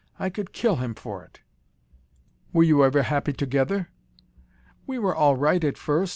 I could kill him for it." "Were you ever happy together?" "We were all right at first.